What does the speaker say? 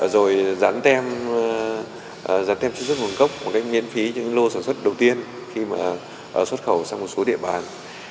rồi dán tem chất xuất nguồn cốc một cách miễn phí cho những lô sản xuất đầu tiên khi mà xuất khẩu sang một số địa bàn